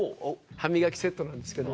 歯磨きセットなんですけど。